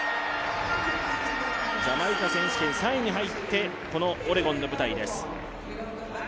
ジャマイカ選手権３位に入ってこのオレゴンの舞台です。